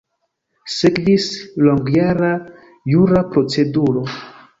Sekvis longjara jura proceduro.